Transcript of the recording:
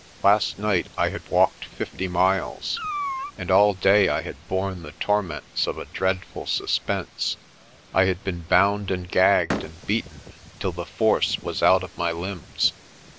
Last night I had walked fifty miles, and all day I had borne the torments of a dreadful suspense. I had been bound and gagged and beaten till the force was out of my limbs.